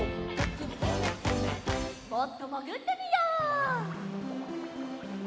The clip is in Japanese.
もっともぐってみよう！